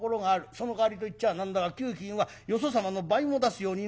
そのかわりと言っちゃあなんだが給金はよそ様の倍も出すようになってる。